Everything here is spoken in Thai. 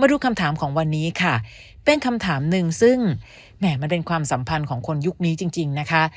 มาดูคำถามของวันนี้ค่ะเป็นคำถามหนึ่งซึ่งแหม่มันเป็นความสัมพันธ์ของคนยุคนี้จริงนะคะ